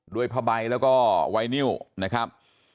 ด้วยพระใบแล้วก็ไวนิวนะครับ